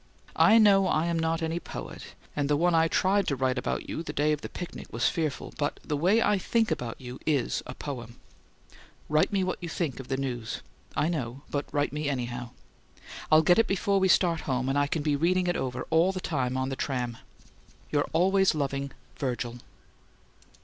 I know I am not any poet and the one I tried to write about you the day of the picnic was fearful but the way I THINK about you is a poem. Write me what you think of the news. I know but write me anyhow. I'll get it before we start home and I can be reading it over all the time on the tram. Your always loving VIRGIL.